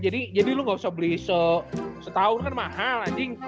jadi lu gausah beli setahun kan mahal anjing